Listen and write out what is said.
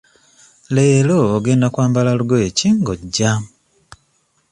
Leero ogenda kwambala lugoye ki nga ojja?